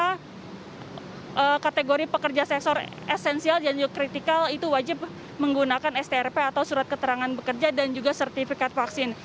karena kategori pekerja sektor esensial dan juga kritikal itu wajib menggunakan strp atau surat keterangan bekerja dan juga sertifikat vaksin